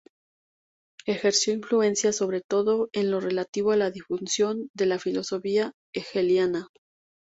Ejerció influencia, sobre todo, en lo relativo a la difusión de la filosofía hegeliana.